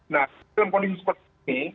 nah dalam kondisi seperti ini